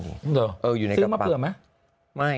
หรอซื้อมาเผื่อไหมอยู่ในกระเป๋าเออซื้อมาเพื่อไหม